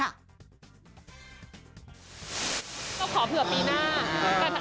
ก็ขอเผื่อปีหน้า